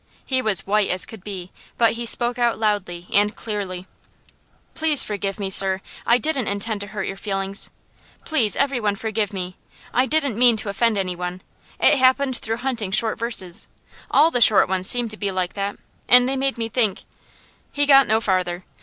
He was white as could be, but he spoke out loudly and clearly. "Please forgive me, sir; I didn't intend to hurt your feelings. Please every one forgive me. I didn't mean to offend any one. It happened through hunting short verses. All the short ones seemed to be like that, and they made me think " He got no farther.